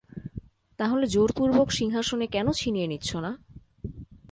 তাহলে জোরপূর্বক সিংহাসনে কেন ছিনিয়ে নিচ্ছ না?